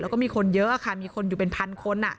แล้วก็มีคนเยอะค่ะมีคนอยู่เป็นพันคน